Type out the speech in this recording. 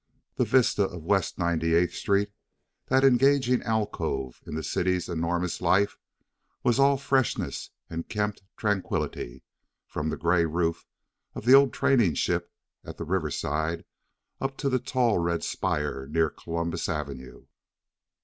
The vista of West Ninety eighth Street, that engaging alcove in the city's enormous life, was all freshness and kempt tranquillity, from the gray roof of the old training ship at the river side up to the tall red spire near Columbus Avenue.